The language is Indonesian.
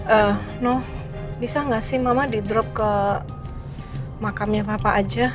eh noh bisa nggak sih mama di drop ke makamnya papa aja